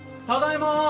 ただいま！